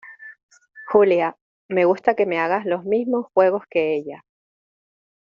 Julia, me gusta que me hagas los mismos juegos que ella.